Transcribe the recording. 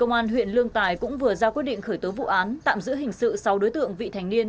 công an huyện lương tài cũng vừa ra quyết định khởi tố vụ án tạm giữ hình sự sáu đối tượng vị thành niên